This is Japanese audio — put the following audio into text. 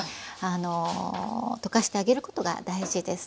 あの溶かしてあげることが大事です。